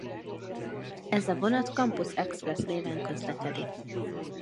Ez a vonat Campus Expressz néven közlekedik.